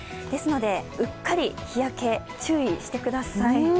ですので、うっかり日焼け、注意してください。